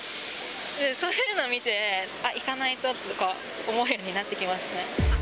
そういうのを見て、あっ、行かないとという思いになってきますね。